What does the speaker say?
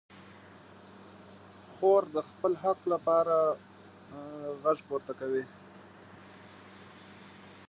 خور د خپل حق لپاره غږ پورته کوي.